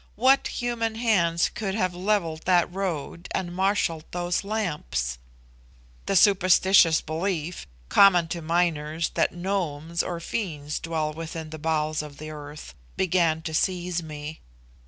What human hands could have levelled that road and marshalled those lamps? "The superstitious belief, common to miners, that gnomes or fiends dwell within the bowels of the earth, began to seize me.